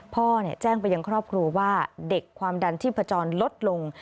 พ่อแจ้งไปยังครอบครัวว่าเด็กความดันที่ผจญลดลง